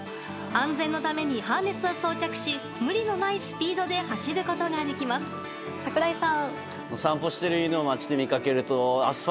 安全のためにハーネスを装着し無理のないスピードで走ることができます。